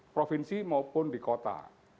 provinsi maupun di kota